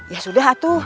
ya sudah atu